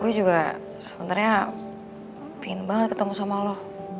gue juga sebenernya pingin banget ketemu sama lo